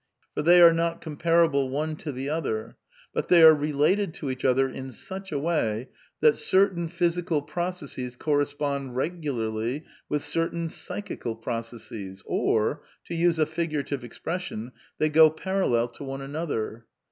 For they are not eo]2Uiacgble one to the other ; but they are related to each other in such a way that certain physical processes correspond regularly with certain psychical processes ; or, to use a figurative expression, they go 'parallel to one another.'